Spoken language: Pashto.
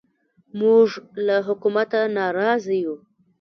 موږ له حکومته نارازه یو